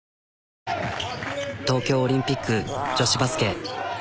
東京オリンピック女子バスケ。